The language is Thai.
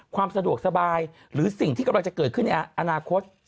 ความสะดวกสบายหรือสิ่งที่กำลังจะเกิดขึ้นในอนาคต